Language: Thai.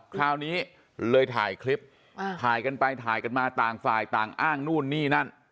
คราวนี้เลยถ่ายคลิปถ่ายกันไปถ่ายกันมาต่างฝ่ายต่างอ้างนู่นนี่นั่น